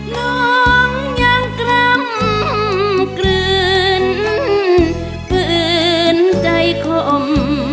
ลงอย่างกล้ำกลืนปืนใจข่ม